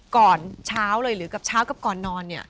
ก่อนเช้าเลยหรือกับเช้ากับก่อนนอนเนี่ย